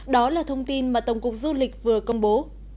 đó là thông tin mà tổng cục du lịch vừa công bố